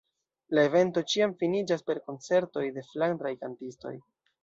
La evento ĉiam finiĝas per koncertoj de flandraj kantistoj.